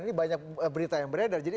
ini banyak berita yang beredar jadi